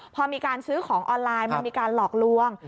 พอมีการซื้อของออนไลน์มันมีการหลอกลวง